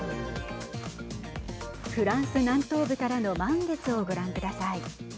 フランス南東部からの満月をご覧ください。